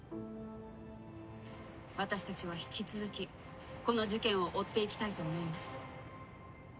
私たちは引き続きこの事件を追っていきたいと思います。